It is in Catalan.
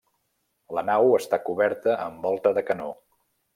La nau està coberta amb volta de canó.